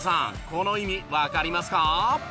この意味わかりますか？